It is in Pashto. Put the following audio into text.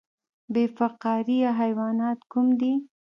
بې فقاریه حیوانات کوم دي؟